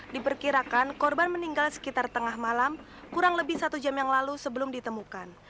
diperkirakan korban meninggal sekitar tengah malam kurang lebih satu jam yang lalu sebelum ditemukan